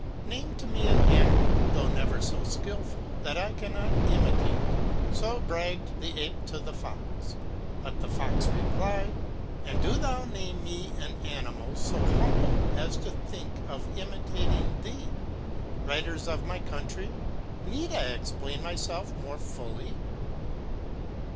NAME to me an animal, though never so skillful, that I cannot imitate ! So bragged the Ape to the Fox. But the Fox replied : And do thou name to me an animal so humble as to think of imitating thee ! Writers of my country ! Need I explain myself more fully!